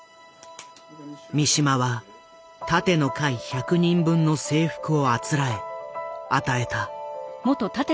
三島は「楯の会」１００人分の制服をあつらえ与えた。